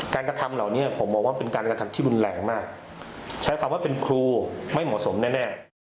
กระทำเหล่านี้ผมมองว่าเป็นการกระทำที่รุนแรงมากใช้คำว่าเป็นครูไม่เหมาะสมแน่